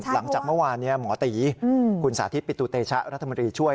หลังจากเมื่อวานหมอตีคุณสาธิตปิตุเตชะรัฐมนตรีช่วย